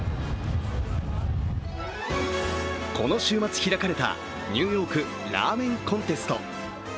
この週末、開かれたニューヨーク・ラーメン・コンテスト。